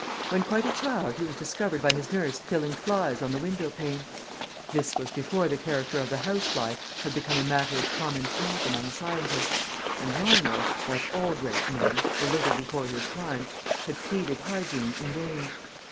When quite a child he was discovered by his nurse killing flies on the window pane. This was before the character of the house fly had become a matter of common talk among scientists, and Lionel (like all great men, a little before his time) had pleaded hygiene in vain.